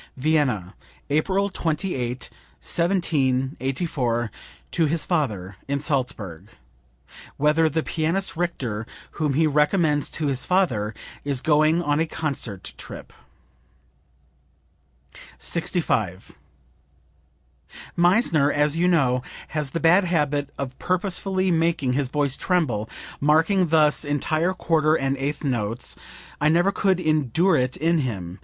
" (Vienna, April 28, 1784, to his father in Salzburg, whither the pianist Richter, whom he recommends to his father, is going on a concert trip.) 65. "Meissner, as you know, has the bad habit of purposely making his voice tremble, marking thus entire quarter and eighth notes; I never could endure it in him.